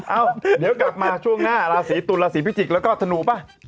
เอ้าเดี๋ยวกลับมาช่วงหน้าราศีตุลราศีพิจิกษ์แล้วก็ธนูป่ะ